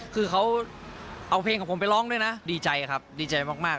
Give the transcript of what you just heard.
คือเขาเอาเพลงของผมไปร้องด้วยนะดีใจครับดีใจมาก